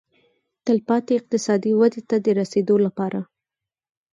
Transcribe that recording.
تلپاتې اقتصادي ودې ته د رسېدو لپاره.